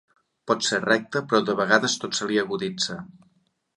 Pot ser recte, però de vegades tot se li aguditza.